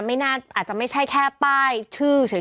มันน่าจะไม่ใช่แค่ป้ายชื่อเฉย